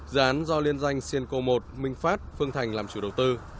dự án do liên danh siên cô một minh phát phương thành làm chủ đầu tư